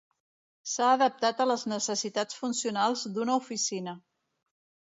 S'ha adaptat a les necessitats funcionals d'una oficina.